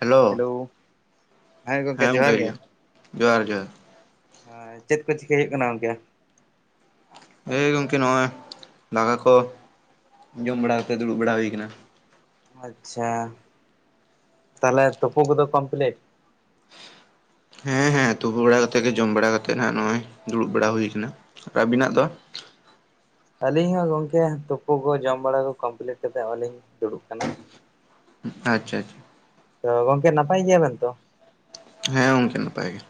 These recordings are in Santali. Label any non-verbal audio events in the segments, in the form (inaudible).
ᱦᱮᱞᱳ᱾ ᱦᱮᱸ ᱜᱚᱝᱠᱮ ᱡᱚᱦᱟᱨ ᱡᱚᱦᱟᱨ᱾ ᱪᱮᱫ ᱠᱚ ᱪᱤᱠᱟᱹᱭ ᱦᱩᱭᱩᱜ ᱠᱟᱱᱟ ᱚᱝᱠᱮ? ᱮᱹᱭ ᱜᱚᱝᱠᱮ ᱱᱚᱜᱼᱚᱭ ᱫᱟᱠᱟ ᱠᱚ ᱡᱚᱢ ᱵᱟᱲᱟ ᱠᱟᱛᱮᱫ ᱫᱩᱲᱩᱵ ᱵᱟᱲᱟ ᱦᱩᱭ ᱟᱠᱟᱱᱟ᱾ ᱟᱪᱪᱷᱟ ᱛᱟᱦᱞᱮ ᱛᱩᱯᱩ ᱠᱚᱫᱚ ᱠᱚᱢᱯᱞᱤᱴ? ᱦᱮᱸ ᱦᱮᱸ ᱛᱩᱯᱩ ᱵᱟᱲᱟ ᱠᱟᱛᱮᱫ ᱜᱮ, ᱡᱚᱢ ᱵᱟᱲᱟ ᱠᱟᱛᱮᱜ ᱦᱜ ᱱᱚᱜ-ᱚᱭ ᱫᱩᱲᱩᱵ ᱵᱟᱲᱟ ᱦᱩᱭ ᱠᱟᱱᱟ᱾ ᱟᱨ ᱟᱹᱵᱤᱱᱟᱜ ᱫᱚ ᱟᱪᱪᱷᱟ᱾ ᱟᱹᱞᱤᱧ ᱦᱚᱸ ᱜᱚᱝᱠᱮ ᱛᱩᱯᱩ ᱠᱚ ᱡᱚᱢ ᱵᱟᱲᱟ ᱠᱚ ᱠᱚᱢᱯᱞᱤᱴ ᱠᱟᱛᱮᱫ ᱦᱚᱸᱜ-ᱚᱭᱞᱤᱧ ᱫᱩᱲᱩᱵ ᱠᱟᱱᱟ᱾ ᱟᱪᱪᱷᱟ ᱟᱪᱪᱷᱟ᱾ ᱛᱚ, ᱜᱚᱝᱠᱮ ᱱᱟᱯᱟᱭ ᱜᱮᱭᱟᱵᱮᱱ ᱛᱚ? ᱦᱮᱸ ᱜᱚᱝᱠᱮ ᱱᱟᱯᱟᱭ ᱜᱮ᱾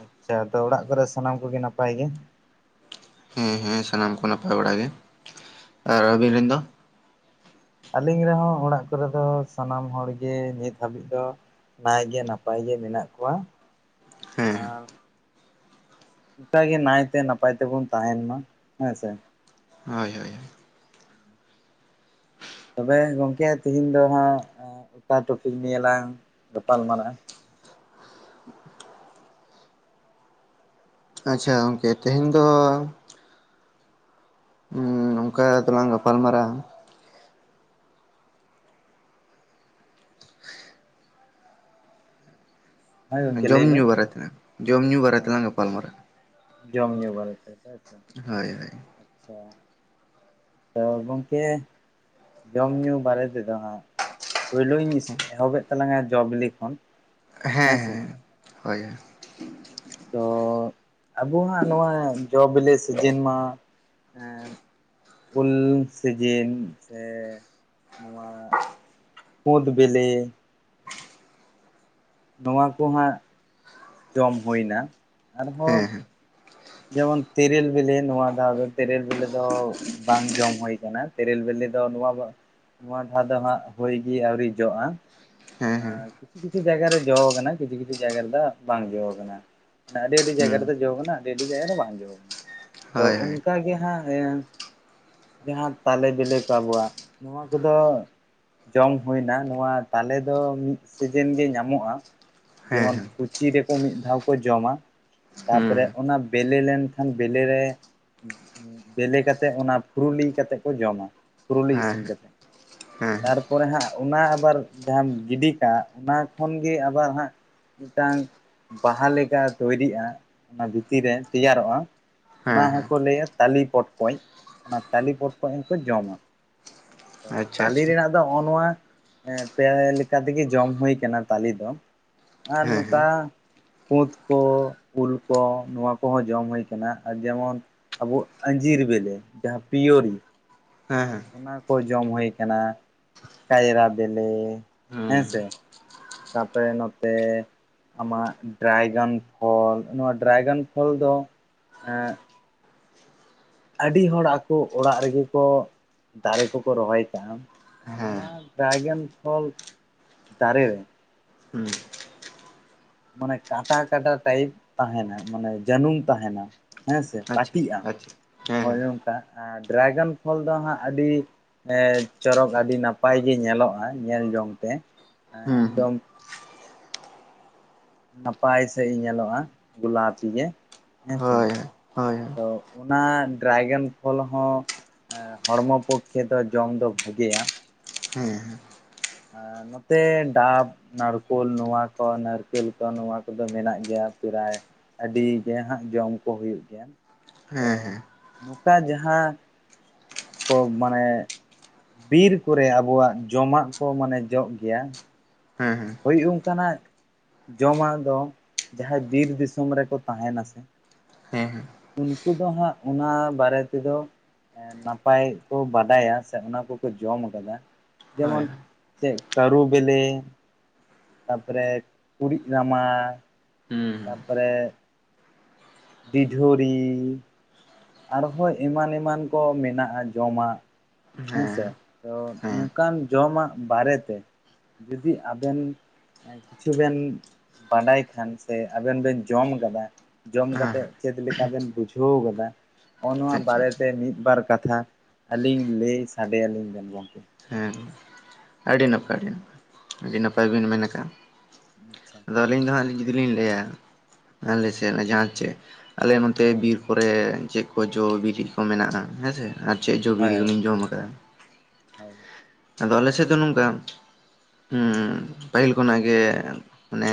ᱟᱪᱪᱷᱟ ᱟᱫᱚ ᱚᱲᱟᱜ ᱠᱚᱨᱮ ᱥᱟᱱᱟᱢ ᱠᱚᱜᱮ ᱱᱟᱯᱟᱭ ᱜᱮ? ᱦᱩᱸ ᱦᱩᱸ ᱥᱟᱱᱟᱢ ᱠᱚ ᱱᱟᱯᱟᱭ ᱵᱟᱲᱟ ᱜᱮ ᱟᱨ ᱟᱹᱵᱤᱱ ᱨᱮᱱ ᱫᱚ? ᱟᱹᱞᱤᱧ ᱨᱮᱦᱚᱸ ᱚᱲᱟᱜ ᱠᱚᱨᱮ ᱫᱚ ᱥᱟᱱᱟᱢ ᱦᱚᱲᱜᱮ ᱱᱤᱛ ᱦᱟᱹᱵᱤᱡ ᱫᱚ ᱱᱟᱭᱜᱮ ᱱᱟᱯᱟᱭ ᱜᱮ ᱢᱮᱱᱟᱜ ᱠᱚᱣᱟ ᱦᱮᱸ ᱟᱨ ᱚᱱᱠᱟᱜᱮ ᱱᱟᱭᱛᱮ ᱱᱟᱯᱟᱭ ᱛᱮᱵᱚᱱ ᱛᱟᱦᱮᱱ ᱢᱟ ᱦᱮᱸ ᱥᱮ᱾ ᱦᱳᱭ ᱦᱳᱭ ᱦᱳᱭ᱾ ᱛᱚᱵᱮ ᱜᱚᱝᱠᱮ ᱛᱤᱦᱤᱧ ᱫᱚ ᱦᱟᱸᱜ-ᱚᱭ ᱚᱠᱟ ᱴᱚᱯᱤᱠ ᱱᱤᱭᱮᱞᱟᱝ ᱜᱟᱯᱟᱞ ᱢᱟᱨᱟᱜ-ᱟ? ᱟᱪᱪᱷᱟ ᱜᱚᱝᱠᱮ ᱛᱮᱦᱮᱧ ᱫᱚ ᱱᱚᱝᱠᱟ ᱫᱚᱞᱟᱝ ᱜᱟᱯᱟᱞ ᱢᱟᱨᱟᱜ-ᱟ᱾ ᱦᱳᱭ ᱜᱚᱝᱠᱮ ᱞᱟᱹᱭ ᱵᱮᱱ ᱡᱚᱢ-ᱧᱩ ᱵᱟᱨᱮ ᱛᱮ, ᱡᱚᱢ-ᱧᱩ ᱵᱟᱨᱟᱭ ᱛᱮᱞᱟᱝ ᱜᱟᱯᱟᱞᱢᱟᱨᱟᱜ-ᱟ᱾ ᱡᱚᱢ-ᱧᱩ ᱵᱟᱟᱨᱮᱛᱮ᱾ ᱦᱳᱭ ᱦᱳᱭ᱾ ᱟᱪᱪᱷᱟ᱾ ᱛᱚ, ᱜᱚᱜᱠᱮ ᱡᱚᱢ-ᱧᱩ ᱵᱟᱨᱮ ᱛᱮᱫᱚ ᱦᱟᱸᱜ᱾ ᱯᱳᱭᱞᱳᱧ ᱮᱦᱚᱵᱮᱜ ᱛᱟᱞᱟᱝᱟ ᱡᱚ ᱵᱤᱞᱤ ᱠᱷᱚᱱ᱾ ᱦᱮᱸ ᱦᱮᱸᱥᱮ ᱦᱮᱸ, ᱦᱳᱭ ᱦᱳᱭ᱾ ᱛᱚ, ᱟᱵᱚᱣᱟᱜ ᱱᱚᱣᱟ ᱡᱚ ᱵᱤᱞᱤ ᱥᱤᱡᱤᱱ ᱢᱟ ᱮᱸ ᱩᱞ ᱥᱤᱡᱤᱱ ᱥᱮ ᱱᱚᱣᱟ ᱠᱩᱫᱽ ᱵᱤᱞᱤ ᱱᱚᱣᱟ ᱠᱚ ᱦᱟᱸᱜ ᱡᱚᱢ ᱦᱩᱭᱱᱟ ᱟᱨᱦᱚᱸ ᱦᱮᱸ ᱡᱮᱢᱚᱱ ᱛᱮᱹᱨᱮᱹᱞ ᱵᱤᱞᱤ ᱱᱚᱣᱟ ᱫᱚ ᱟᱫᱚ ᱛᱮᱹᱨᱮ ᱞ ᱵᱤᱞᱤ ᱫᱚ ᱵᱟᱝ ᱡᱚᱢ ᱦᱩᱭ ᱠᱟᱱᱟ ᱛᱮᱹᱨᱮᱹᱞ ᱵᱮᱞᱮ ᱫᱚ ᱱᱚᱣᱟ ᱫᱚ ᱱᱚᱣᱟ ᱫᱷᱟ ᱫᱚ ᱦᱟᱸᱜ ᱦᱳᱭ ᱜᱮ ᱟᱹᱣᱨᱤ ᱡᱚᱜ-ᱟ᱾ ᱦᱮᱸ ᱦᱮᱸ ᱟᱸ, ᱠᱤᱪᱷᱩ ᱠᱤᱪᱷᱩ ᱡᱟᱭᱜᱟ ᱨᱮ ᱡᱚ ᱠᱟᱱᱟ ᱠᱤᱪᱷᱩ ᱠᱤᱪᱷᱩ ᱡᱟᱭᱜᱟ ᱨᱮᱫᱚ ᱵᱟᱝ ᱡᱚ ᱠᱟᱱᱟ᱾ ᱟᱰᱤ ᱟᱰᱤ ᱡᱟᱭᱜᱟ ᱨᱮ ᱦᱩᱸ ᱫᱚ ᱡᱚ ᱠᱟᱱᱟ, ᱟᱰᱤ ᱟᱰᱤ ᱡᱟᱭᱜᱟ ᱨᱮ ᱵᱟᱝ ᱡᱚ ᱠᱟᱱᱟ᱾ ᱛᱚ ᱦᱳᱭ ᱦᱳᱭ ᱚᱱᱠᱟ ᱜᱮ ᱦᱟᱸᱜ ᱮᱸ ᱡᱟᱦᱟᱸ ᱛᱟᱞᱮ ᱵᱮᱞᱮ ᱠᱚ ᱟᱵᱚᱣᱟᱜ ᱱᱚᱣᱟ ᱠᱚᱫᱚ ᱡᱚᱢ ᱦᱩᱭᱱᱟ ᱱᱚᱣᱟ ᱛᱟᱞᱮ ᱫᱚ ᱢᱤᱫ ᱥᱤᱡᱮᱱ ᱜᱮ ᱧᱟᱢᱚᱜ-ᱟ᱾ ᱦᱮᱸ ᱡᱮᱢᱚᱱ ᱦᱮᱸ ᱠᱩᱪᱤ ᱨᱮ ᱦᱚᱸ ᱢᱤᱫ ᱫᱷᱟᱣ ᱠᱚ ᱡᱚᱢᱟ ᱦᱩᱸ ᱛᱟᱯᱚᱨᱮ ᱚᱱᱟ ᱵᱮᱞᱮ ᱞᱮᱱᱠᱷᱟᱱ ᱵᱮᱞᱮ ᱨᱮ ᱵᱮᱞᱮ ᱠᱟᱛᱮᱫ ᱚᱱᱟ ᱯᱷᱩᱨᱩᱞᱤᱝ ᱠᱟᱛᱮᱫ ᱠᱚ ᱡᱚᱢᱟ, ᱯᱷᱩᱨᱩᱞᱤ ᱤᱥᱤᱱ ᱦᱮᱸ ᱠᱟᱛᱮᱫ᱾ ᱦᱮᱸ ᱛᱟᱨᱯᱚᱨᱮ ᱦᱟᱸᱜ ᱚᱱᱟ ᱟᱵᱟᱨ ᱡᱟᱦᱟᱸᱢ ᱜᱤᱰᱤ ᱠᱟᱜ ᱚᱱᱟ ᱠᱷᱚᱱ ᱜᱮ ᱟᱵᱟᱨ ᱦᱟᱸᱜ ᱢᱤᱫᱴᱟᱝ ᱵᱟᱦᱟ ᱞᱮᱠᱟ ᱛᱳᱭᱨᱤᱜ-ᱟ ᱚᱱᱟ ᱵᱷᱤᱛᱤᱨ ᱨᱮ ᱛᱮᱭᱟᱨᱚᱜ-ᱟ ᱚᱱᱟ ᱦᱮᱸ ᱦᱮᱸ ᱦᱚᱸᱠᱚ ᱞᱟᱹᱭᱟ ᱛᱟᱞᱤ ᱯᱚᱴᱠᱚᱡ, ᱚᱱᱟ ᱛᱟᱞᱤ ᱯᱚᱴᱠᱚᱡ ᱦᱚᱸᱠᱚ ᱡᱚᱢᱟ᱾ ᱛᱚ ᱟᱪᱪᱷᱟ ᱛᱟᱞᱮ ᱟᱪᱪᱷᱟ ᱨᱮᱱᱟᱜᱼᱼ ᱟᱫᱚ ᱦᱚᱜᱼᱚ ᱱᱚᱣᱟ ᱯᱮ ᱞᱮᱠᱟ ᱛᱮᱜᱮ ᱡᱚᱢ ᱦᱩᱭ ᱠᱟᱱᱟ ᱛᱟᱞᱮ ᱫᱚ᱾ ᱟᱨ ᱦᱮᱸ ᱦᱮᱸ ᱱᱚᱝᱠᱟ ᱠᱩᱫᱽ ᱠᱚ ᱩᱞᱼᱼ ᱠᱚ ᱱᱚᱣᱟ ᱠᱚᱦᱚᱸ ᱡᱚᱢ ᱦᱩᱭ ᱠᱟᱱᱟ ᱟᱨ ᱡᱮᱢᱚᱱᱼᱼ ᱟᱵᱚ ᱟᱧᱡᱤᱨ ᱵᱮᱞᱮ ᱡᱟᱦᱟᱸ ᱯᱤᱨᱭᱳᱨᱤ᱾ ᱦᱮᱸ ᱦᱮᱸ ᱚᱱᱟ ᱠᱚ ᱡᱚᱢ ᱦᱩᱭ ᱠᱟᱱᱟ ᱠᱟᱭᱨᱟ ᱵᱤᱞᱤ ᱦᱮᱸ ᱥᱮ᱾ ᱦᱩᱸ ᱛᱟᱯᱚᱨᱮ ᱱᱚᱛᱮᱼᱼ ᱟᱢᱟᱜ ᱰᱨᱟᱭᱜᱟᱱ ᱯᱷᱚᱞ ᱱᱚᱣᱟ ᱰᱨᱟᱭᱜᱟᱱ ᱯᱷᱚᱞ ᱫᱚ ᱮᱜᱼᱼ ᱟᱹᱰᱤ ᱦᱚᱲ ᱟᱠᱚ ᱚᱲᱟᱜ ᱨᱮᱜᱮ ᱠᱚ ᱫᱟᱨᱮ ᱠᱚᱠᱚ ᱨᱚᱦᱚᱭ ᱠᱟᱜᱼᱟ᱾ ᱱᱚᱣᱟ ᱦᱮᱸ ᱰᱨᱟᱭᱜᱚᱱ ᱯᱷᱚᱞ ᱫᱟᱨᱮ ᱨᱮᱼᱼ ᱦᱩᱸ ᱢᱟᱱᱮ ᱠᱟᱴᱟ ᱠᱟᱴᱟ ᱴᱟᱭᱤᱯ ᱛᱟᱦᱮᱸᱱᱟ ᱢᱟᱱᱮ ᱡᱟᱹᱱᱩᱢ ᱛᱟᱦᱮᱸᱱᱟ ᱾ ᱦᱮᱸ ᱥᱮ ᱟᱪᱪᱷᱟ ᱯᱟᱹᱴᱤᱜᱼᱟ, ᱟᱪᱪᱷᱟ ᱦᱮᱸ ᱦᱳᱭ ᱦᱮᱸ ᱚᱝᱠᱟ ᱟᱨ ᱰᱨᱟᱭᱜᱮᱱ ᱯᱷᱚᱞ ᱫᱚ ᱦᱟᱸᱜ ᱟᱹᱰᱤᱼᱼ ᱮᱸ ᱪᱚᱨᱚᱠ ᱟᱹᱰᱤ ᱱᱟᱯᱟᱭ ᱜᱮ ᱧᱮᱞᱚᱜᱼᱟ, ᱧᱮᱞ ᱡᱚᱝ ᱛᱮ᱾ ᱦᱩᱸ ᱦᱩᱸ ᱮᱠᱫᱚᱢ ᱾ ᱱᱟᱯᱟᱭ ᱥᱟᱦᱤᱡ ᱧᱮᱞᱚᱜᱼᱟ, ᱜᱳᱞᱟᱯᱤ ᱜᱮ ᱦᱮᱸᱥᱮ᱾ ᱦᱳᱭ ᱦᱳᱭ ᱦᱮᱸ ᱛᱚ ᱚᱱᱟ ᱰᱨᱟᱭᱜᱮᱱ ᱯᱷᱚᱞ ᱦᱚᱸᱼᱼ ᱦᱚᱲᱢᱚ ᱯᱚᱠᱠᱷᱮ ᱫᱚ ᱡᱚᱢ ᱫᱚ ᱵᱷᱟᱜᱮᱭᱟ᱾ ᱦᱮᱸ᱾ ᱟᱨ ᱱᱚᱛᱮ ᱰᱟᱵ᱾ ᱱᱟᱲᱠᱳᱞ ᱱᱚᱣᱟ ᱠᱚ ᱱᱟᱨᱠᱮᱞ ᱠᱚ ᱱᱚᱣᱟ ᱠᱚᱫᱚ ᱢᱮᱱᱟᱜ ᱜᱮᱭᱟ ᱯᱮᱨᱟᱭ᱾ ᱟᱹᱰᱤ ᱜᱮ ᱦᱟᱸᱜ ᱡᱚᱢ ᱠᱚ ᱦᱩᱭᱩᱜ ᱜᱮᱭᱟ᱾ ᱛᱚ ᱦᱮᱸ ᱦᱮᱸ ᱦᱮᱸ ᱱᱚᱝᱠᱟ ᱡᱟᱦᱟᱸ᱾ ᱠᱚ ᱢᱟᱱᱮ ᱵᱤᱨ ᱠᱚᱨᱮ ᱟᱵᱚᱣᱟᱜ ᱡᱚᱢᱟᱜ᱾ ᱠᱚ ᱢᱟᱱᱮ ᱡᱚᱜ ᱜᱮᱭᱟ᱾ ᱦᱩᱸ ᱦᱮᱸ ᱦᱳᱭ ᱚᱱᱠᱟᱱᱟᱜ᱾ ᱡᱚᱢᱟᱜ ᱫᱚ ᱡᱟᱦᱟᱸᱭ ᱵᱤᱨ ᱫᱤᱥᱚᱢ ᱨᱮᱠᱚ ᱛᱟᱦᱮᱸᱱᱟ ᱥᱮ᱾ ᱦᱮᱸ ᱦᱮᱸ᱾ ᱩᱱᱠᱩ ᱫᱚ ᱦᱟᱸᱜ ᱚᱱᱟ ᱵᱟᱨᱮ ᱛᱮᱫᱚ ᱱᱟᱯᱟᱭ ᱠᱚ ᱵᱟᱰᱟᱭᱟ ᱥᱮ ᱚᱱᱟ ᱠᱚᱠᱚ ᱡᱚᱢ ᱠᱟᱫᱟ᱾ ᱡᱮᱢᱚᱱ ᱪᱮᱫ ᱠᱟᱹᱲᱩ ᱵᱮᱞᱮ᱾ ᱛᱟᱯᱚᱨᱮ ᱠᱩᱲᱤᱫ ᱨᱟᱢᱟ᱾ ᱛᱟᱯᱚᱨᱮᱼᱼ ᱰᱤᱰᱷᱳᱲᱤ᱾ ᱟᱨᱦᱚᱸ ᱮᱢᱟᱱ ᱮᱢᱟᱱ ᱠᱚ ᱢᱮᱱᱟᱜᱼᱟ ᱡᱚᱢᱟᱜ᱾ ᱦᱮᱸᱥᱮ ᱛᱚ ᱱᱚᱝᱠᱟᱱ ᱡᱚᱢᱟᱜ ᱵᱟᱨᱮᱛᱮᱼᱼ ᱡᱩᱫᱤ ᱟᱵᱮᱱ ᱠᱤᱪᱷᱩ ᱵᱮᱱᱼᱼ ᱵᱟᱰᱟᱭ ᱠᱷᱟᱱ ᱥᱮ ᱟᱵᱮᱱ ᱵᱮᱱ ᱡᱚᱢ ᱠᱟᱫᱟ᱾ ᱡᱚᱢ ᱠᱟᱛᱮᱜ ᱪᱮᱫ ᱞᱮᱠᱟ ᱵᱮᱱ ᱵᱩᱡᱷᱟᱹᱣ ᱠᱟᱫᱟ? ᱦᱚᱸᱜᱼᱚ ᱱᱚᱣᱟ ᱟᱪᱪᱷᱟ ᱵᱟᱨᱮ ᱟᱪᱪᱷᱟ ᱛᱮ ᱢᱤᱫ ᱵᱟᱨ ᱠᱟᱛᱷᱟ ᱟᱹᱞᱤᱧ ᱞᱟᱹᱭ ᱥᱟᱰᱮ ᱟᱹᱞᱤᱧ ᱵᱮᱱ ᱜᱚᱢᱠᱮ। ᱦᱮᱸ ᱟᱹᱰᱤ ᱱᱟᱯᱟᱭ ᱟᱹᱰᱤ ᱱᱟᱯᱟᱭ ᱟᱹᱰᱤ ᱱᱟᱯᱟᱭ ᱵᱤᱱ ᱢᱮᱱ ᱠᱟᱜᱼᱟ। ᱟᱪᱪᱷᱟ। ᱛᱚ ᱟᱹᱞᱤᱧ ᱫᱚ ᱦᱟᱸᱜ ᱡᱩᱫᱤ ᱞᱤᱧ ᱞᱟᱹᱭᱟ ᱟᱞᱮ ᱥᱮᱫ ᱥᱮ ᱡᱟᱦᱟᱸ ᱪᱮᱫ ᱟᱞᱮ ᱱᱚᱛᱮ ᱦᱳᱭ ᱵᱤᱨ ᱠᱚᱨᱮ ᱪᱮᱫ ᱠᱚ ᱡᱚ ᱵᱤᱞᱤ ᱠᱚ ᱢᱮᱱᱟᱜᱼᱟ, ᱦᱮᱸᱥᱮ ᱟᱨ ᱪᱮᱫ ᱡᱚ ᱵᱤᱞᱤ ᱠᱚ ᱦᱳᱭ ᱤᱧ ᱡᱚᱢ ᱟᱠᱟᱫᱟ? ᱦᱳᱭ। ᱟᱫᱚ ᱟᱞᱮ ᱥᱮᱫ ᱫᱚ ᱱᱚᱝᱠᱟ ᱯᱟᱹᱦᱤᱞ ᱠᱷᱚᱱᱟᱜ ᱜᱮ ᱢᱟᱱᱮ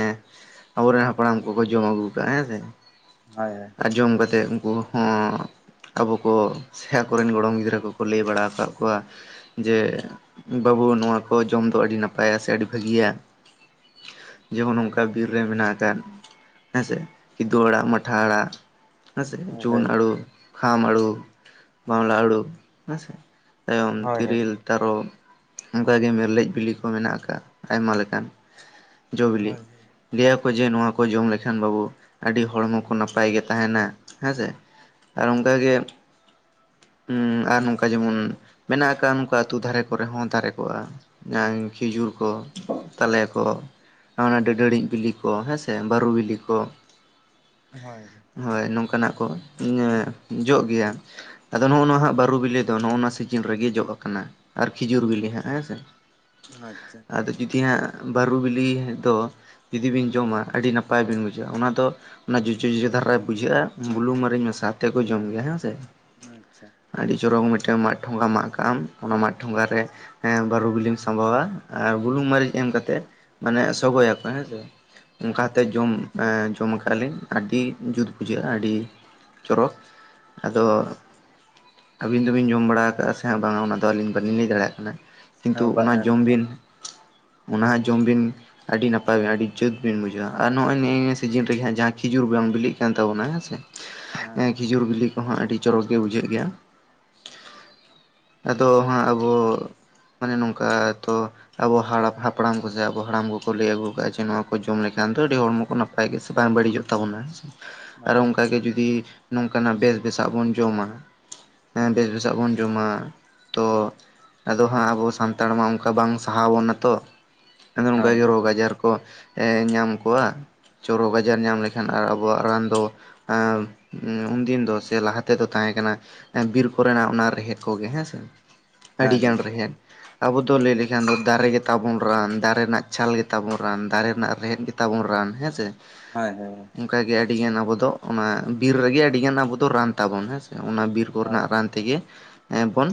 ᱟᱵᱚᱨᱮᱱ ᱦᱟᱯᱲᱟᱢ ᱠᱚᱠᱚ ᱡᱚᱢ ᱟᱹᱜᱩ ᱠᱟᱜᱼᱟ ᱦᱮᱸ ᱥᱮ। ᱦᱳᱭ ᱦᱳᱭ। ᱟ ᱡᱚᱢ ᱠᱟᱛᱮᱜ ᱩᱱᱠᱩ ᱦᱚᱸ ᱟᱵᱚ ᱠᱚ ᱥᱮ ᱟᱠᱚ ᱨᱮᱱ ᱜᱚᱲᱚᱢ ᱜᱤᱫᱽᱨᱟᱹ ᱠᱚᱠᱚ ᱞᱟᱹᱭ ᱵᱟᱲᱟ ᱠᱟᱜ ᱠᱚᱣᱟ ᱡᱮ ᱵᱟᱹᱵᱩ ᱱᱚᱣᱟ ᱠᱚ ᱡᱚᱢ ᱫᱚ ᱟᱹᱰᱤ ᱱᱟᱯᱟᱭᱟ ᱥᱮ ᱟᱹᱰᱤ ᱵᱷᱟᱹᱜᱤᱭᱟ। ᱡᱮᱢᱚᱱ ᱚᱱᱠᱟ ᱵᱤᱨ ᱨᱮ ᱢᱮᱱᱟᱜ ᱟᱠᱟᱫ᱾ ᱦᱮᱸ ᱥᱮ ᱠᱤᱫᱩ, ᱟᱲᱟᱜ ᱢᱟᱴᱷᱟ, ᱟᱲᱟᱜ ᱦᱮᱸ ᱥᱮ ᱦᱳᱭ ᱡᱩᱱ, ᱦᱳᱭ ᱟᱲᱩ ᱠᱷᱟᱢ ᱟᱲᱩ ᱵᱟᱣᱞᱟ ᱟᱲᱩ ᱦᱮᱸ ᱥᱮ ᱛᱟᱭᱚᱢ, ᱦᱳᱭ ᱛᱤᱨᱤᱞ, ᱛᱟᱨᱚᱵ, ᱚᱱᱠᱟᱜᱮ ᱢᱮᱨᱞᱮᱡ ᱵᱤᱞᱤ ᱠᱚ ᱢᱮᱱᱟᱜ ᱟᱠᱟᱫ ᱟᱭᱢᱟ ᱞᱮᱠᱟᱱ ᱡᱚᱼᱵᱤᱞᱤ᱾ ᱦᱳᱭ ᱦᱳᱭ ᱞᱟᱹᱭᱟ ᱠᱚ ᱡᱮ ᱱᱚᱣᱟ ᱠᱚ ᱡᱚᱢ ᱞᱮᱠᱷᱟᱱ ᱵᱟᱹᱵᱩ ᱟᱹᱰᱤ ᱦᱚᱲᱢᱚ ᱠᱚ ᱱᱟᱯᱟᱭ ᱜᱮ ᱛᱟᱦᱮᱱᱟ ᱦᱮᱸᱥᱮ ᱟᱨ ᱚᱱᱠᱟ ᱜᱮ ᱦᱩᱸ ᱟᱨ ᱱᱚᱝᱠᱟ ᱡᱮᱢᱚᱱ ᱢᱮᱱᱟᱜ ᱟᱠᱟᱫ ᱱᱚᱝᱠᱟ ᱟᱹᱛᱩ ᱫᱷᱟᱨᱮᱼᱼ ᱠᱚᱨᱮ ᱦᱚᱸ ᱫᱟᱨᱮ ᱠᱚᱜᱼᱟ ᱡᱟᱦᱟᱸ ᱠᱷᱤᱡᱩᱨ, ᱠᱚ ᱛᱟᱞᱮ, ᱠᱚ ᱚᱱᱟ ᱰᱟᱹᱰᱟᱹᱲᱤ ᱵᱤᱞᱤ ᱠᱚ ᱦᱮᱸ ᱥᱮ ᱵᱟᱹᱨᱩ ᱵᱤᱞᱤ ᱠᱚ ᱦᱳᱭ ᱦᱳᱭ ᱱᱚᱝᱠᱟᱱᱟᱜ ᱠᱚ ᱡᱚᱜ ᱜᱮᱭᱟ ᱟᱫᱚ ᱱᱚᱜᱼᱚ ᱱᱟ ᱦᱟᱜ ᱵᱟᱹᱨᱩ ᱵᱤᱞᱤ ᱫᱚ ᱱᱚᱜᱼ ᱱᱚᱣᱟ ᱥᱤᱡᱤᱱ ᱨᱮᱜᱮ ᱡᱚᱜ ᱟᱠᱟᱱᱟ ᱟᱨ ᱠᱷᱤᱡᱩᱨ ᱵᱤᱞᱤ ᱦᱟᱸᱜ ᱦᱮᱸ ᱥᱮ᱾ ᱟᱪᱪᱷᱟ᱾ ᱟᱫᱚ ᱡᱩᱫᱤ ᱦᱟᱸᱜ ᱵᱟᱹᱨᱩ ᱵᱤᱞᱤ ᱫᱚ ᱡᱩᱫᱤ ᱵᱤᱱ ᱡᱚᱢᱟ ᱟᱹᱰᱤ ᱱᱟᱯᱟᱭ ᱵᱤᱱ ᱵᱩᱡᱷᱣᱟ ᱚᱱᱟ ᱫᱚᱼᱼ ᱚᱱᱟ ᱡᱚᱡᱚ ᱡᱚᱡᱚ ᱫᱷᱟᱨᱟ ᱵᱩᱡᱷᱟᱹᱜᱼᱟ ᱵᱩᱞᱩᱝ ᱢᱟᱨᱤᱧ ᱢᱮᱥᱟ ᱛᱮ ᱠᱚ ᱡᱚᱢ ᱜᱮᱭᱟ ᱦᱮᱸ ᱥᱮ ᱟᱪᱪᱷᱟ᱾ ᱟᱹᱰᱤ ᱪᱚᱨᱚᱠ ᱢᱤᱫᱴᱮᱱ ᱢᱟᱫ ᱴᱷᱚᱸᱜᱟ ᱢᱟᱜ ᱠᱟᱜ ᱟᱢ, ᱚᱱᱟ ᱢᱟᱜ ᱴᱷᱚᱸᱜᱟ ᱨᱮ ᱵᱟᱹᱨᱩ ᱵᱤᱞᱤᱢ ᱥᱟᱸᱵᱟᱣᱟ ᱟᱨ ᱵᱩᱞᱩᱝ ᱢᱟᱹᱨᱤᱪ ᱮᱢ ᱠᱟᱛᱮᱜᱼᱼ ᱢᱟᱱᱮ ᱥᱚᱜᱚᱭ ᱟᱠᱚ ᱦᱮᱸᱥᱮ ᱚᱱᱠᱟᱛᱮ ᱟᱪᱪᱷᱟ ᱡᱚᱢ ᱡᱚᱢ ᱟᱠᱟᱜ ᱞᱤᱧ ᱟᱹᱰᱤ ᱡᱩᱛ ᱵᱩᱡᱷᱟᱹᱜᱼᱟ ᱟᱹᱰᱤ ᱪᱚᱨᱚᱠ ᱟᱫᱚ ᱦᱳᱭ ᱟᱹᱵᱤᱱ ᱫᱚᱵᱤᱱ ᱡᱚᱢ ᱵᱟᱲᱟ ᱟᱠᱟᱜᱼᱟ ᱥᱮ ᱵᱟᱝᱟ ᱚᱱᱟᱫᱚ ᱟᱹᱞᱤᱧ ᱵᱟᱹᱞᱤᱧ ᱞᱟᱹᱭ ᱫᱟᱲᱮᱭᱟᱜ ᱠᱟᱱᱟ᱾ ᱠᱤᱱᱛᱩ ᱦᱳᱭ ᱚᱱᱟ ᱡᱚᱢ ᱵᱤᱱ ᱚᱱᱟ ᱡᱚᱢ ᱵᱤᱱ ᱟᱹᱰᱤ ᱱᱟᱯᱟᱭ ᱵᱤᱱ ᱟᱹᱰᱤ ᱡᱩᱛ ᱵᱤᱱ ᱵᱩᱡᱷᱟᱹᱣᱼᱟ ᱟᱨ ᱱᱚᱜᱼᱚᱭ ᱱᱮᱜ ᱱᱤᱭᱟᱹ ᱥᱤᱡᱤᱱ ᱨᱮᱜᱮ ᱦᱟᱜ ᱡᱟᱦᱟᱸ ᱠᱷᱤᱡᱩᱨ ᱵᱟᱝ ᱵᱤᱞᱤᱜ ᱠᱟᱱ ᱛᱟᱵᱚᱱᱟ ᱦᱮᱸ ᱥᱮ ᱠᱷᱤᱡᱩᱨ ᱵᱤᱞᱤ ᱠᱚᱦᱚᱸ ᱟᱹᱰᱤ ᱪᱚᱨᱚᱠ ᱜᱮ ᱵᱩᱡᱷᱟᱹᱜ ᱜᱮᱭᱟ᱾ ᱟᱫᱚ ᱦᱟᱸᱜ ᱟᱵᱚ ᱢᱟᱱᱮ ᱱᱚᱝᱠᱟ ᱛᱚ ᱟᱵᱚ ᱦᱟᱲᱟᱢ ᱦᱟᱯᱲᱟᱢ ᱠᱚᱡᱟ ᱟᱵᱚ ᱦᱟᱲᱟᱢ ᱠᱚᱠᱚ ᱞᱟᱹᱭ ᱟᱜᱩ ᱠᱟᱜᱼᱟ ᱡᱮ ᱱᱚᱣᱟ ᱠᱚ ᱡᱚᱢ ᱞᱮᱠᱷᱟᱱ ᱫᱚ ᱟᱹᱰᱤ ᱦᱚᱲᱢᱚ ᱠᱚ ᱱᱟᱯᱼᱼ ᱱᱟᱯᱟᱭ ᱜᱮᱥᱮ ᱵᱟᱝ ᱵᱟᱹᱲᱤᱡᱚᱜ ᱛᱟᱵᱚᱱᱟ ᱟᱨᱚ ᱦᱳᱭ ᱚᱱᱠᱟᱜᱮ ᱡᱩᱫᱤ ᱱᱚᱝᱠᱟᱱᱟᱜ ᱵᱮᱥ ᱵᱮᱥᱟᱜ ᱵᱚᱱ ᱡᱚᱢᱟ ᱵᱮᱥ ᱵᱮᱥᱟᱜ ᱵᱚᱱ ᱡᱚᱢᱟ ᱛᱚ ᱟᱫᱚ ᱦᱟᱸᱜ ᱟᱵᱚ ᱥᱟᱱᱛᱟᱲ ᱢᱟ ᱚᱱᱠᱟ ᱵᱟᱝ ᱥᱟᱦᱟᱣ ᱵᱚᱱᱟ ᱛᱚ ᱟᱫᱚ ᱱᱚᱝᱠᱟ ᱦᱳᱭ ᱜᱮ ᱨᱳᱜᱽ ᱟᱡᱟᱨ ᱠᱚ ᱧᱟᱢ ᱠᱚᱣᱟ ᱪᱚᱨᱚᱠᱽ ᱟᱡᱟᱨ ᱧᱟᱢ ᱞᱮᱠᱷᱟᱱ ᱟᱨ ᱟᱵᱚᱣᱟᱜ ᱨᱟᱱ ᱫᱚ ᱮᱸ ᱩᱱᱫᱤᱱ ᱫᱚ ᱥᱮ ᱞᱟᱦᱟ ᱛᱮᱫᱚ ᱛᱟᱦᱮᱸ ᱠᱟᱱᱟ᱾ ᱵᱤᱨ ᱠᱚᱨᱮᱱᱟᱜ ᱚᱱᱟ ᱨᱮᱦᱮᱫ ᱠᱚᱜᱮ ᱦᱮᱸ ᱥᱮ, ᱟᱹᱰᱤᱜᱟᱱ ᱨᱮᱦᱮᱫ᱾ ᱟᱵᱚ ᱫᱚ ᱞᱟᱹᱭ ᱞᱮᱠᱷᱟᱱ ᱫᱚ ᱫᱟᱨᱮ ᱜᱮᱛᱟᱵᱚᱱ ᱨᱟᱱ ᱫᱟᱨᱮ ᱨᱮᱱᱟᱜ ᱪᱷᱟᱞ ᱜᱮᱛᱟᱵᱚᱱ ᱨᱟᱱ ᱫᱟᱨᱮ ᱨᱮᱱᱟᱜ ᱨᱮᱦᱮᱫ ᱜᱮᱼᱼ ᱛᱟᱵᱚᱱ ᱨᱟᱱ ᱦᱮᱸᱥᱮ᱾ ᱦᱳᱭ ᱦᱳᱭ᱾ ᱚᱱᱠᱟ ᱜᱮ ᱟᱹᱰᱤ ᱜᱟᱱ ᱟᱵᱚ ᱫᱚ ᱚᱱᱟ ᱵᱤᱨ ᱨᱮᱜᱮ ᱟᱹᱰᱤ ᱜᱟᱱ ᱟᱵᱚ ᱫᱚ ᱨᱟᱱ ᱛᱟᱵᱚᱱ ᱾ ᱦᱮᱸᱥᱮ? ᱚᱱᱟ ᱵᱤᱨ ᱠᱚ ᱦᱳᱭ ᱨᱮᱱᱟᱜ ᱨᱟᱱ᱾ ᱛᱮᱜᱮ ᱵᱚᱱ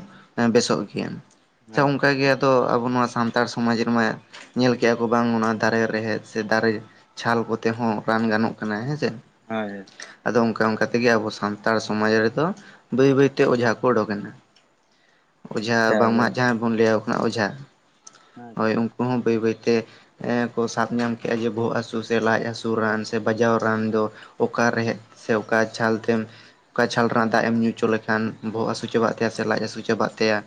ᱵᱮᱥᱚᱜ ᱜᱮᱭᱟ ᱦᱮᱸ ᱚᱱᱠᱟ ᱜᱮ᱾ ᱛᱚ ᱟᱵᱚ ᱱᱚᱣᱟ ᱥᱟᱱᱛᱟᱲ ᱥᱚᱢᱟᱡᱽ ᱨᱮᱢᱟ ᱧᱮᱞ ᱠᱮᱜᱼᱟ ᱠᱚ ᱵᱟᱝ ᱚᱱᱟ ᱫᱟᱨᱮ ᱨᱮᱦᱮᱫ ᱥᱮ ᱫᱟᱨᱮ ᱪᱷᱟᱞ ᱠᱚᱛᱮ ᱦᱚᱸ ᱨᱟᱱ ᱜᱟᱱᱚᱜ ᱠᱟᱱᱟ᱾ ᱦᱮᱸᱥᱮ? ᱦᱳᱭ᱾ ᱟᱫᱚ ᱚᱱᱠᱟ ᱚᱱᱠᱟ ᱛᱮᱜᱮ ᱟᱵᱚ ᱥᱟᱱᱛᱟᱲ ᱥᱚᱢᱟᱡᱽ ᱨᱮᱫᱚ ᱵᱟᱹᱭ ᱵᱟᱹᱭᱛᱮ ᱚᱡᱷᱟ ᱠᱚ ᱩᱰᱩᱠ ᱮᱱᱟ᱾ ᱚᱡᱷᱟ ᱟᱪᱪᱷᱟ ᱵᱟᱝᱢᱟ ᱡᱟᱦᱟᱸᱭ ᱵᱚᱱ ᱞᱟᱹᱭᱟ ᱠᱟᱱᱟ ᱚᱡᱷᱟ, ᱦᱳᱭ ᱟᱪᱪᱷᱟ ᱩᱱᱠᱩ ᱦᱚᱸ ᱵᱟᱹᱭ ᱵᱟᱹᱭᱛᱮᱼᱼ ᱠᱚ ᱥᱟᱵ ᱧᱟᱢ ᱠᱮᱜᱼᱟ ᱡᱮ ᱵᱚᱦᱚᱜ ᱦᱟᱹᱥᱩ ᱥᱮ ᱞᱟᱡ ᱦᱟᱹᱥᱩ ᱨᱟᱱ ᱥᱮ ᱵᱟᱡᱟᱣ ᱨᱟᱱ ᱫᱚᱼᱼ ᱚᱠᱟ ᱨᱮᱦᱮᱫ, ᱥᱮ ᱚᱠᱟ ᱪᱷᱟᱞ, ᱛᱮᱢ ᱚᱠᱟ ᱡᱷᱟᱞ ᱨᱮᱱᱟᱜ ᱫᱟᱜ ᱮᱢ ᱧᱩ ᱪᱚ ᱞᱮᱠᱷᱟᱱ ᱵᱚᱦᱚᱜ ᱦᱟᱹᱥᱩ ᱪᱟᱵᱟᱜ ᱛᱟᱭᱟ, ᱥᱮ ᱞᱟᱡ ᱦᱟᱹᱥᱩ ᱪᱟᱵᱟᱜ ᱛᱟᱭᱟ᱾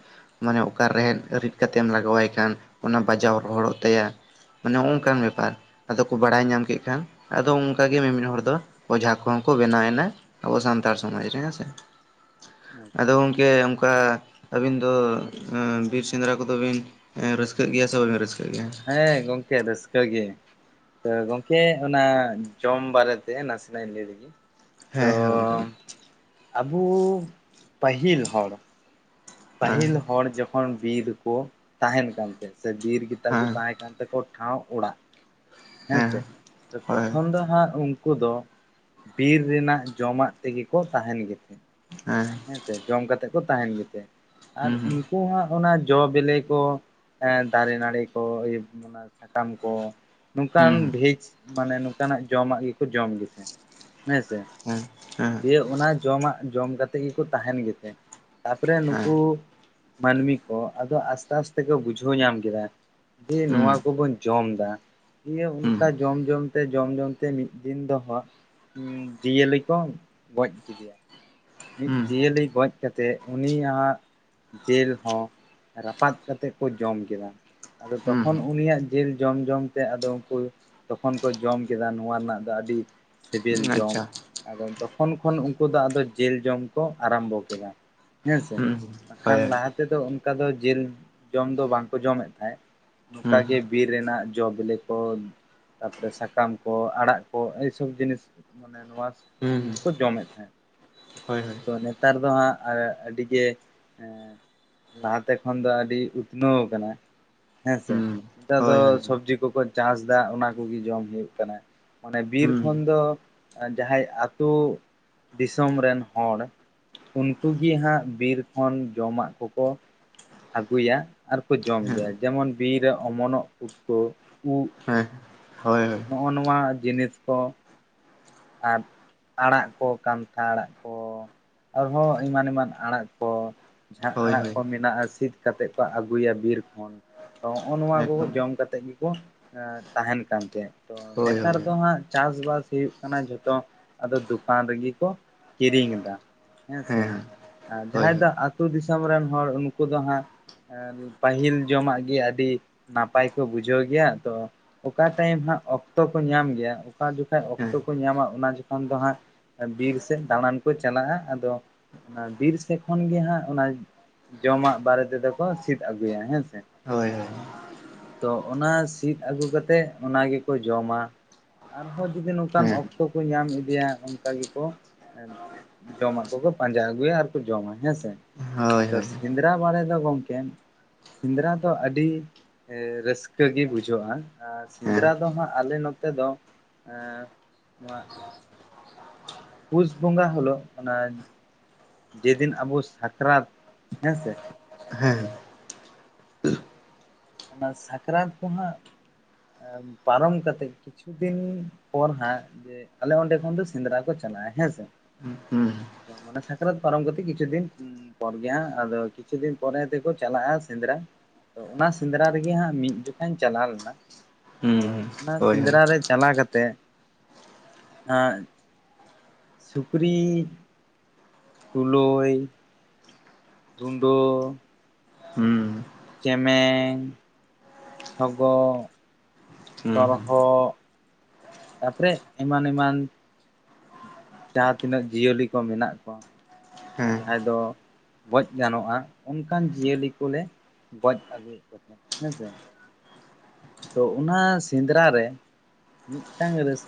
ᱢᱟᱱᱮ ᱚᱠᱟ ᱨᱮᱦᱮᱫ ᱨᱤᱫ ᱠᱟᱛᱮᱢ ᱞᱟᱜᱟᱣᱟᱭ ᱠᱷᱟᱱ ᱚᱱᱟ ᱵᱟᱡᱟᱣ ᱨᱚᱦᱚᱲᱚᱜ ᱛᱟᱭᱟ᱾ ᱢᱟᱱᱮ ᱚᱝᱠᱟᱱ ᱵᱮᱯᱟᱨ᱾ ᱟᱫᱚ ᱠᱚ ᱵᱟᱲᱟᱭ ᱧᱟᱢ ᱠᱮᱜ ᱠᱷᱟᱱ ᱟᱫᱚ ᱚᱱᱠᱟ ᱜᱮ ᱢᱤᱢᱤᱫ ᱦᱚᱲ ᱫᱚ ᱚᱡᱷᱟ ᱠᱚᱦᱚᱸ ᱠᱚ ᱵᱮᱱᱟᱣ ᱮᱱᱟ ᱾ ᱟᱵᱚ ᱥᱟᱱᱛᱟᱲ ᱥᱚᱢᱟᱡᱽ ᱨᱮ ᱦᱮᱸᱥᱮ, ᱟᱫᱚ ᱟᱪᱪᱷᱟ ᱜᱚᱝᱠᱮ ᱚᱱᱠᱟ ᱟᱹᱵᱤᱱ ᱫᱚ ᱵᱤᱨ ᱥᱮᱸᱫᱽᱨᱟ ᱠᱚᱫᱚ ᱵᱤᱱ ᱨᱟᱹᱥᱠᱟᱹᱜ ᱜᱮᱭᱟ ᱥᱮ ᱵᱟᱵᱤᱱ ᱨᱟᱹᱥᱠᱟᱹᱜ ᱜᱮᱭᱟ? ᱦᱮᱸ, ᱜᱚᱝᱠᱮ ᱨᱟᱹᱥᱠᱟᱹ ᱜᱮ ᱾ ᱛᱚ ᱜᱚᱝᱠᱮ ᱚᱱᱟ ᱡᱚᱢ ᱵᱟᱨᱮᱛᱮ ᱱᱟᱥᱮᱱᱟᱹᱧ ᱞᱟᱹᱭ ᱞᱮᱜᱮ ᱾ ᱦᱮᱸ ᱦᱮᱸ ᱜᱚᱝᱠᱮ ᱾ ᱟᱵᱚ ᱯᱟᱹᱦᱤᱞ ᱦᱚᱲ, ᱦᱮᱸ ᱯᱟᱹᱦᱤᱞ ᱦᱚᱲ ᱡᱚᱠᱷᱚᱱ ᱵᱤᱨ ᱨᱮᱠᱚ ᱛᱟᱦᱮᱱ ᱠᱟᱱ ᱛᱟᱦᱮᱸᱫ ᱥᱮ ᱵᱤᱨ ᱜᱮᱛᱟ ᱠᱚ ᱦᱮᱸ ᱛᱟᱦᱮᱸ ᱠᱟᱱ ᱛᱮᱠᱚ ᱴᱷᱟᱶ ᱚᱲᱟᱜ ᱦᱮᱸ ᱥᱮ, ᱦᱳᱭ ᱛᱚᱠᱷᱚᱱ ᱫᱚ ᱦᱟᱸᱜ ᱩᱱᱠᱩ ᱫᱚ ᱵᱤᱨ ᱨᱮᱱᱟᱜ ᱡᱚᱢᱟᱜ ᱛᱮᱜᱮ ᱠᱚ ᱛᱟᱦᱮᱱ ᱜᱮᱛᱮ ᱾ ᱟᱸᱦ ᱾ ᱦᱮᱸᱥᱮ ᱡᱚᱢ ᱠᱟᱛᱮ ᱠᱚ ᱛᱟᱦᱮᱱ ᱜᱮᱛᱮ ᱟᱨ ᱦᱩᱸ ᱩᱱᱠᱩ ᱦᱚᱸ ᱚᱱᱟ ᱡᱚ ᱵᱮᱞᱮ ᱠᱚ ᱫᱟᱨᱮ ᱱᱟᱹᱲᱤ ᱠᱚ ᱚᱱᱟ ᱥᱟᱠᱟᱢ ᱠᱚ ᱱᱚᱝᱠᱟᱱ ᱦᱩᱸ ᱦᱩᱸ ᱦᱩᱸ ᱵᱷᱮᱡᱽ ᱢᱟᱱᱮ ᱱᱚᱝᱠᱟᱱᱟᱜ ᱡᱚᱢᱟᱜ ᱜᱮᱠᱚ ᱡᱚᱢ ᱜᱮ ᱛᱟᱦᱮᱸᱜ ᱦᱮᱸᱥᱮ ᱾ ᱦᱮᱸ ᱾ ᱫᱤᱭᱮ ᱚᱱᱟ ᱡᱚᱢᱟᱜ ᱡᱚᱢ ᱠᱟᱛᱮ ᱜᱮᱠᱩ ᱛᱟᱦᱮᱱ ᱜᱮᱛᱮ ᱛᱟᱨᱯᱚᱨᱮ ᱦᱮᱸ ᱱᱩᱠᱩ ᱢᱟᱹᱱᱢᱤ ᱠᱚ ᱟᱫᱚ ᱟᱥᱛᱮ ᱟᱥᱛᱮ ᱠᱚ ᱵᱩᱡᱷᱟᱹᱣ ᱧᱟᱢ ᱠᱮᱫᱟ, ᱡᱮ ᱱᱚᱣᱟ ᱠᱚᱵᱚᱱ ᱡᱚᱢ ᱫᱟ ᱫᱤᱭᱮ ᱚᱱᱠᱟ ᱦᱩᱸ ᱡᱚᱢ ᱡᱚᱢᱛᱮ ᱡᱚᱢ ᱡᱚᱢᱛᱮ ᱢᱤᱫ ᱫᱤᱱ ᱫᱚᱦᱚ ᱡᱤᱭᱟᱹᱞᱤ ᱠᱚ ᱜᱚᱡ ᱠᱮᱫᱮᱭᱟ, ᱢᱤᱫ ᱦᱩᱸ ᱡᱤᱭᱟᱹᱞᱤ ᱜᱚᱡ ᱠᱟᱛᱮ ᱩᱱᱤᱭᱟᱜ ᱡᱤᱞ ᱦᱚᱸ ᱨᱟᱯᱟᱜ ᱠᱟᱛᱮᱫ ᱠᱚ ᱡᱚᱢ ᱠᱮᱫᱟ ᱾ ᱟᱫᱚ ᱛᱚᱠᱷᱚᱱ ᱦᱩᱸ ᱩᱱᱤᱭᱟᱜ ᱡᱤᱞ ᱡᱚᱢ ᱡᱚᱢ ᱛᱮ ᱟᱫᱚ ᱩᱱᱠᱩ ᱛᱚᱠᱷᱚᱱ ᱠᱚ ᱡᱚᱢ ᱠᱮᱫᱟ ᱱᱚᱣᱟ ᱨᱮᱱᱟᱜ ᱫᱚ ᱟᱹᱰᱤ ᱥᱮᱵᱮᱞ ᱦᱩᱸ ᱡᱚᱢ ᱟᱪᱪᱷᱟ ᱟᱫᱚ ᱛᱚᱠᱷᱚᱱ ᱠᱷᱚᱱ ᱩᱱᱠᱩ ᱫᱚ ᱟᱫᱚ ᱡᱮᱞ ᱡᱚᱢ ᱠᱚ ᱟᱨᱟᱢᱵᱚ ᱠᱮᱫᱟ, ᱦᱮᱸᱥᱮ ᱦᱩᱸ ᱵᱟᱠᱷᱟᱱ ᱦᱳᱭ ᱞᱟᱦᱟᱛᱮ ᱛᱮᱫᱚ ᱚᱱᱠᱟ ᱫᱚ ᱡᱤᱞ ᱡᱚᱢ ᱫᱚ ᱵᱟᱝᱠᱚ ᱡᱚᱢᱮᱫ ᱛᱟᱦᱮᱸᱫ, ᱱᱚᱝᱠᱟ ᱦᱩᱸ ᱜᱮ ᱵᱤᱨ ᱨᱮᱱᱟᱜ ᱡᱚ ᱵᱮᱞᱮ ᱠᱚ ᱛᱟᱯᱚᱨᱮ ᱥᱟᱠᱟᱢ ᱠᱚ ᱟᱲᱟᱜ ᱠᱚ ᱮᱭ ᱥᱚᱵ ᱡᱤᱱᱤᱥ ᱢᱟᱱᱮ ᱱᱚᱣᱟ ᱡᱤᱱᱤᱥ ᱦᱩᱸ ᱠᱚ ᱡᱚᱢᱮᱫ ᱛᱟᱦᱮᱸᱫ ᱾ ᱦᱳᱭ ᱦᱳᱭ ᱾ ᱱᱮᱛᱟᱨ ᱫᱚ ᱦᱟᱸᱜ ᱟᱹᱰᱤ ᱜᱮ ᱮᱸ ᱞᱟᱦᱟᱛᱮ ᱠᱷᱚᱱ ᱫᱚ ᱟᱹᱰᱤ ᱩᱛᱱᱟᱹᱣ ᱠᱟᱱᱟ ᱾ ᱦᱮᱸᱥᱮ, ᱦᱩᱸ ᱱᱮᱛᱟᱨ ᱫᱚ ᱦᱳᱭ ᱦᱳᱭ ᱥᱚᱵᱽᱡᱤ ᱠᱚᱠᱚ ᱪᱟᱥᱫᱟ ᱚᱱᱟ ᱠᱚᱜᱮ ᱡᱚᱢ ᱦᱩᱭᱩᱜ ᱠᱟᱱᱟ ᱾ ᱚᱱᱮ ᱵᱤᱨ ᱦᱩᱸ ᱠᱷᱚᱱ ᱫᱚ ᱡᱟᱦᱟᱸᱭ ᱟᱛᱳ ᱫᱤᱥᱚᱢ ᱨᱮᱱ ᱦᱚᱲ ᱩᱱᱠᱩ ᱜᱤ ᱦᱟᱸᱜ ᱵᱤᱨ ᱠᱷᱚᱱ ᱡᱚᱢᱟᱜ ᱠᱚᱠᱚ, ᱟᱹᱜᱩᱭᱟ ᱟᱨᱠᱚ ᱡᱚᱢ ᱦᱮᱸ ᱜᱮᱭᱟ ᱦᱮᱸ ᱾ ᱡᱮᱢᱚᱱ ᱵᱤᱨ ᱨᱮ ᱚᱢᱚᱱᱚᱜ ᱯᱩᱴᱠᱟᱹ, ᱩᱫᱽ ᱾ ᱦᱮᱸ, ᱦᱳᱭ ᱦᱳᱭ ᱾ ᱦᱚᱸᱜᱼᱚ ᱱᱚᱣᱟ ᱡᱤᱱᱤᱥ ᱠᱚ ᱾ ᱟᱨ ᱟᱲᱟᱜ ᱠᱚ ᱠᱟᱱᱛᱷᱟ ᱟᱲᱟᱜ ᱠᱚ, ᱟᱨᱦᱚᱸ ᱮᱢᱟᱱ ᱮᱢᱟᱱ ᱟᱲᱟᱜ ᱠᱚ, ᱡᱟᱦᱟᱸ ᱦᱳᱭ ᱟᱲᱟᱜ ᱦᱳᱭ ᱠᱚ ᱢᱮᱱᱟᱜᱼᱟ ᱥᱤᱫ ᱠᱟᱛᱮᱫ ᱠᱚ ᱟᱹᱜᱩᱭᱟ ᱵᱤᱨ ᱠᱷᱚᱱ ᱛᱚ ᱱᱚᱜᱼᱚ ᱱᱚᱣᱟ ᱠᱚ ᱮᱠᱫᱚᱢ ᱡᱚᱢ ᱠᱟᱛᱮ ᱠᱟᱛᱮ ᱜᱮ ᱵᱚᱱ ᱛᱟᱦᱮᱱ ᱠᱟᱱ ᱛᱟᱦᱮᱸᱫ ᱛᱚ ᱦᱳᱭ ᱱᱮᱛᱟᱨ ᱦᱳᱭ ᱫᱚ ᱦᱟᱸᱜ ᱪᱟᱥ ᱵᱟᱥ ᱦᱩᱭᱩᱜ ᱠᱟᱱᱟ ᱠᱟᱱᱟ ᱡᱷᱚᱛᱚ ᱟᱫᱚ ᱫᱚᱠᱟᱱ ᱨᱮᱜᱮ ᱠᱚ ᱠᱤᱨᱤᱧ ᱮᱫᱟ᱾ ᱦᱮᱸ ᱥᱮ ᱟᱨ ᱦᱳᱭ ᱡᱟᱦᱟᱸᱭ ᱦᱳᱭ ᱫᱚ ᱟᱹᱛᱩ ᱫᱤᱥᱚᱢ ᱨᱮᱱ ᱦᱚᱲ ᱩᱱᱠᱩ ᱫᱚ ᱦᱟᱸᱜ ᱯᱟᱹᱦᱤᱞ ᱡᱚᱢᱟᱜ ᱜᱮ ᱟᱹᱰᱤ ᱱᱟᱯᱟᱭ ᱠᱚ ᱵᱩᱡᱷᱟᱹᱣ ᱜᱮᱭᱟ ᱛᱚ ᱚᱠᱟ ᱴᱟᱭᱤᱢ ᱦᱟᱸᱜ ᱚᱠᱛᱚ ᱠᱚ ᱧᱟᱢ ᱜᱮᱭᱟ ᱚᱠᱟ ᱡᱚᱠᱷᱚᱱ ᱦᱮᱸ ᱚᱠᱛᱚ ᱠᱚ ᱧᱟᱢᱟ ᱚᱱᱟ ᱡᱚᱠᱷᱚᱱ ᱫᱚ ᱦᱟᱸᱜ ᱵᱤᱨ ᱥᱮᱫ ᱫᱟᱬᱟᱱ ᱠᱚ ᱪᱟᱞᱟᱜᱼᱟ ᱟᱫᱚ ᱵᱤᱨ ᱥᱮᱫ ᱠᱷᱚᱱ ᱜᱮ ᱦᱟᱸᱜ ᱚᱱᱟ ᱡᱚᱢᱟᱜ ᱵᱟᱨᱮ ᱛᱮᱫᱚ ᱠᱚ ᱥᱤᱫ ᱟᱹᱜᱩᱭᱟ ᱦᱮᱸ ᱥᱮ ᱾ ᱦᱳᱭ ᱦᱳᱭ ᱾ ᱛᱚ ᱚᱱᱟ ᱥᱤᱫ ᱟᱹᱜᱩ ᱠᱟᱛᱮᱜ ᱚᱱᱟ ᱜᱮᱠᱚ ᱡᱚᱢᱟ ᱟᱨᱦᱚᱸ ᱡᱩᱫᱤ ᱚᱱ ᱚᱱᱠᱟᱱ ᱦᱮᱸ ᱚᱠᱛᱚ ᱠᱚ ᱧᱟᱢ ᱤᱫᱤᱭᱟ ᱚᱱᱠᱟ ᱜᱮᱠᱚ ᱮᱸ ᱡᱚᱢᱟᱜ ᱠᱚᱠᱚ ᱯᱟᱸᱡᱟ ᱟᱹᱜᱩᱭᱟ ᱟᱨ ᱠᱚ ᱡᱚᱢ ᱟ ᱦᱮᱸ ᱥᱮ ᱾ ᱦᱳᱭ ᱛᱚ ᱦᱳᱭ ᱥᱮᱸᱫᱽᱨᱟ ᱵᱟᱨᱮ ᱫᱚ ᱜᱚᱢᱠᱮ, ᱥᱮᱸᱫᱽᱨᱟ ᱫᱚ ᱟᱹᱰᱤ ᱨᱟᱹᱥᱠᱟᱹ ᱜᱮ ᱵᱩᱡᱷᱟᱹᱜᱼᱟ ᱟᱨ ᱦᱮᱸ ᱥᱮᱸᱫᱽᱨᱟ ᱫᱚ ᱦᱟᱸᱜ ᱟᱞᱮ ᱱᱚᱛᱮ ᱫᱚ ᱱᱚᱣᱟ (unintelligible) ᱯᱩᱥ ᱵᱚᱸᱜᱟ ᱦᱤᱞᱚᱜ ᱚᱱᱟ ᱡᱮ ᱫᱤᱱ ᱟᱵᱚ ᱥᱟᱠᱨᱟᱛ ᱦᱮᱸᱥᱮ ᱦᱮᱸ ᱚᱱᱟ ᱥᱟᱠᱨᱟᱛ ᱫᱚ ᱦᱟᱸᱜ ᱯᱟᱨᱚᱢ ᱠᱟᱛᱮᱜ ᱠᱤᱪᱷᱩ ᱫᱤᱱ ᱯᱚᱨ ᱦᱟᱸᱜ ᱟᱞᱮ ᱚᱸᱰᱮ ᱠᱷᱚᱱ ᱫᱚ ᱥᱮᱸᱫᱽᱨᱟ ᱠᱚ ᱪᱟᱞᱟᱜ-ᱟ ᱦᱮᱸ ᱥᱮ᱾ ᱦᱩᱸ (unintelligible) ᱢᱟᱱᱮ ᱥᱟᱠᱨᱟᱛ ᱯᱟᱨᱚᱢ ᱠᱟᱛᱮᱫ ᱠᱤᱪᱷᱩ ᱫᱤᱱ ᱯᱚᱨ ᱜᱮ ᱦᱟᱸᱜ ᱟᱫᱚ ᱠᱤᱪᱷᱩ ᱫᱤᱱ ᱯᱚᱨᱮ ᱛᱮᱠᱚ ᱪᱟᱞᱟᱜᱼᱟ ᱥᱮᱸᱫᱽᱨᱟ, ᱚᱱᱟ ᱥᱮᱸᱫᱽᱨᱟ ᱨᱮᱜᱮ ᱦᱟᱸᱜ ᱢᱤᱫ ᱡᱚᱠᱷᱟᱧ ᱪᱟᱞᱟᱣ ᱞᱮᱱᱟ, ᱛᱚ ᱦᱩᱸ ᱚᱱᱟ ᱦᱳᱭ ᱦᱳᱭ ᱥᱮᱸᱫᱽᱨᱟ ᱨᱮ ᱪᱟᱞᱟᱣ ᱠᱟᱛᱮ ᱦᱟᱸᱜ ᱥᱩᱠᱨᱤ ᱛᱩᱞᱳᱭ ᱨᱩᱱᱰᱟ. ᱦᱩᱸ ᱪᱮᱢᱮᱧ, ᱥᱚᱜᱚᱜ ᱦᱩᱸ ᱦᱩᱸ ᱛᱚᱨᱦᱚᱫ ᱛᱟᱨ ᱯᱚᱨᱮ ᱮᱢᱟᱱ ᱮᱢᱟᱱ᱾ ᱡᱟᱦᱟᱸ ᱛᱤᱱᱟᱹᱜ ᱡᱤᱭᱟᱹᱞᱤ ᱠᱚ ᱢᱮᱱᱟᱜ ᱠᱚᱣᱟ ᱦᱮᱸ ᱡᱟᱦᱟᱸᱭ ᱫᱚ ᱜᱚᱡ ᱜᱟᱱᱚᱜᱼᱟ ᱚᱱᱠᱟᱱ ᱡᱤᱭᱟᱹᱞᱤ ᱠᱚᱞᱮ ᱜᱚᱡᱽ ᱟᱜᱩᱭᱮᱫ ᱠᱚ ᱛᱟᱦᱮᱡ᱾ ᱦᱮᱸ ᱥᱮ ᱛᱚ ᱚᱱᱟ ᱥᱮᱸᱫᱽᱨᱟ ᱨᱮ, ᱢᱤᱫᱴᱟᱝ ᱨᱟᱹᱥᱠᱟ.